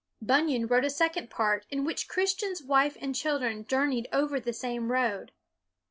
Bunyan wrote a second part, in which Christian's wife and children journeyed over the same road.